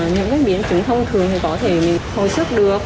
những cái biến chứng thông thường thì có thể mình hồi sức được